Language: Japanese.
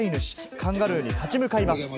カンガルーに立ち向かいます。